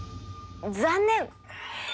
残念！